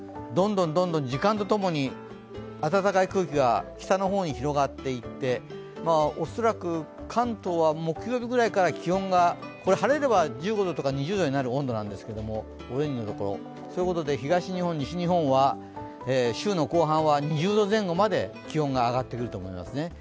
どんどん時間とともに暖かい空気が下の方に広がっていって恐らく関東は木曜日ぐらいから気温が晴れれば１５度とか２０度になる温度なんですけどオレンジのところ、東日本西日本は週の後半は２０度前後まで気温が上がってくると思いますね。